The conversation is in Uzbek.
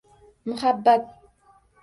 Muhabbat.